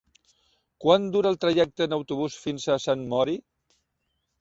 Quant dura el trajecte en autobús fins a Sant Mori?